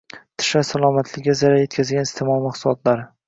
Tishlar salomatligiga zarar yetkazadigan iste’mol mahsulotlari